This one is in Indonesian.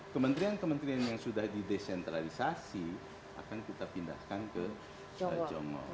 kementerian kementerian yang sudah didesentralisasi akan kita pindahkan ke jongo